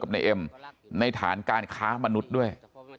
ในเอ็มในฐานการค้ามนุษย์ด้วย